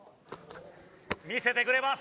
魅せてくれます。